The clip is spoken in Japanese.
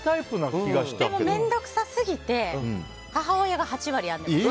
でも、面倒くさすぎて母親が８割編んでました。